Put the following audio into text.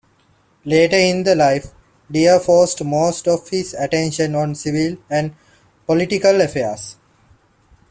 Later in life Deere focused most of his attention on civil and political affairs.